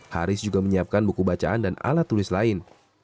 haris juga menyiapkan buku bacaan dan alat tulis lain